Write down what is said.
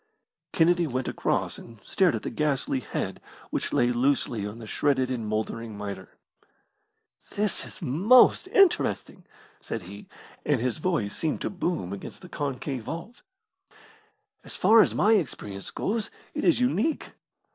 Kennedy went across, and stared at the ghastly head which lay loosely on the shredded and mouldering mitre. "This is most interesting," said he, and his voice seemed to boom against the concave vault. "As far as my experience goes, it is unique.